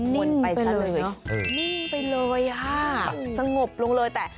นิ่งสงบลงเลยนะ